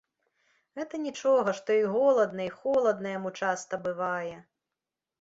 Гэта нічога, што і голадна і холадна яму часта бывае!